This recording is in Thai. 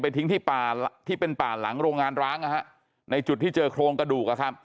เป็นทิ้งที่เป็นป่าหลังโรงงานร้างในจุดที่เจอโครงกระดูก